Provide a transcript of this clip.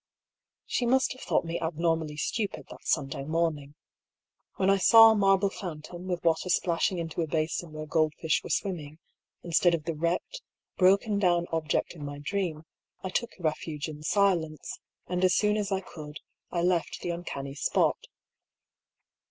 She must have thought me abnormally stupid that Sunday morning. When I saw a marble fountain, with water splashing into a basin where gold fish were swim ming, instead of the wrecked, broken down object in my dream, I took refuge in silence ; and as soon as I could, I left the uncanny spot.